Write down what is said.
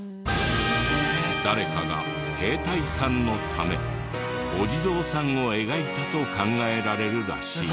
誰かが兵隊さんのためお地蔵さんを描いたと考えられるらしい。